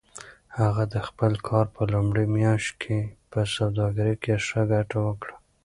هغه د خپل کار په لومړۍ میاشت کې په سوداګرۍ کې ښه ګټه وکړه.